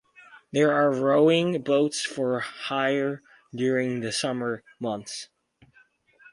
There are rowing boats for hire during the summer months.